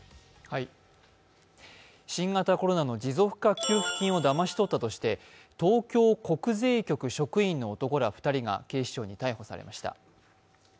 新型コロナの持続化給付金をだまし取ったとして東京国税局職員の男ら２人が警視庁に逮捕されました。